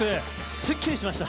すっきりしました。